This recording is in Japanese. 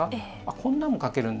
こんなんも描けるんだ。